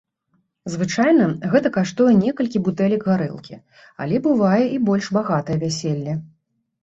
Звычайна, гэта каштуе некалькі бутэлек гарэлкі, але бывае і больш багатае вяселле.